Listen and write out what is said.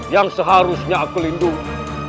yang seharusnya aku lindungi